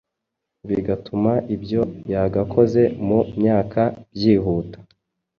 bigatuma ibyo yagakoze mu myaka byihuta